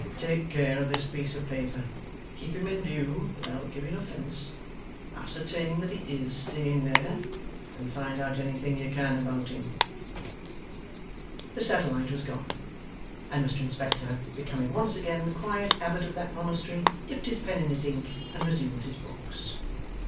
'Take care of this piece of paper, keep him in view without giving offence, ascertain that he IS staying there, and find out anything you can about him.' The satellite was gone; and Mr Inspector, becoming once again the quiet Abbot of that Monastery, dipped his pen in his ink and resumed his books.